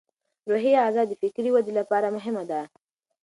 روحي غذا د فکري ودې لپاره مهمه ده.